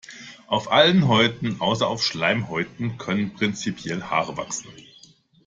Auf allen Häuten außer auf Schleimhäuten können prinzipiell Haare wachsen.